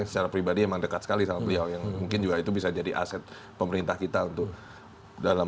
secara pribadi memang dekat sekali sama beliau yang mungkin juga itu bisa jadi aset pemerintah kita untuk dalam